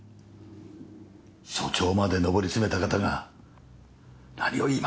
署長まで上り詰めた方が何を言います。